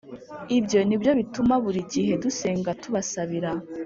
ibyo ni byo bituma buri gihe dusenga tubasabira.